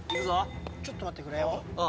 ちょっと待ってくれよ。